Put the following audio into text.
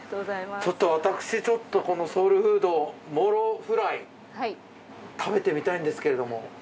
私ちょっとソウルフードモロフライ食べてみたいんですけれども。